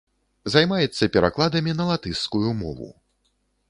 Займаецца перакладамі на латышскую мову.